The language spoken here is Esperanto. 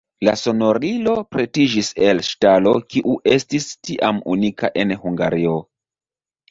La sonorilo pretiĝis el ŝtalo, kiu estis tiam unika en Hungario.